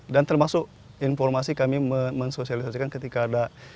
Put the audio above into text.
dan termasuk informasi kami mensosialisasikannya ketigk ada